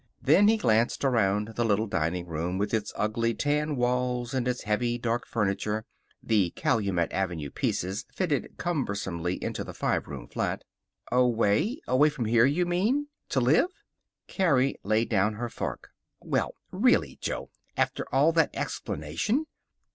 Then he glanced around the little dining room, with its ugly tan walls and its heavy, dark furniture (the Calumet Avenue pieces fitted cumbersomely into the five room flat). "Away? Away from here, you mean to live?" Carrie laid down her fork. "Well, really, Jo! After all that explanation."